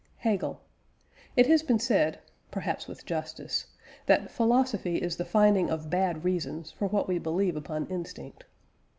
HEGEL. It has been said, perhaps with justice, that "philosophy is the finding of bad reasons for what we believe upon instinct."